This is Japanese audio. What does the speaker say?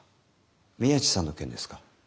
宮地さんの件ですか？